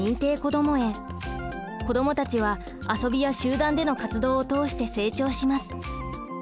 子どもたちは遊びや集団での活動を通して成長します。